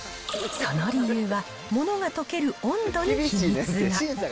その理由は、ものが溶ける温度に秘密が。